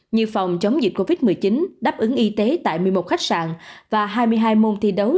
như phòng chống dịch covid một mươi chín đáp ứng y tế tại một mươi một khách sạn và hai mươi hai môn thi đấu